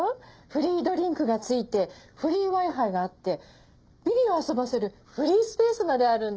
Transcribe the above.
フリードリンクが付いてフリーＷｉ−Ｆｉがあってビビを遊ばせるフリースペースまであるんです。